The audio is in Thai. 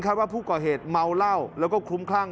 ว่าผู้ก่อเหตุเมาเหล้าแล้วก็คลุ้มคลั่ง